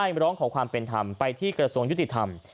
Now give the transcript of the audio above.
ร้องขอความเป็นธรรมไปที่กระทรวงยุติธรรม